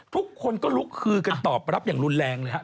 ทุกคนก็ลุกฮือกันตอบรับอย่างรุนแรงเลยฮะ